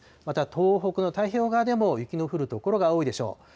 また、東北や太平洋側でも雪の降る所が多いでしょう。